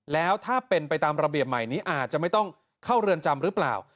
แล้วถ้าเป็นไปตามระเบียบใหม่นี้อาจจะไม่ต้องเข้าเรือนจำหรือเปล่า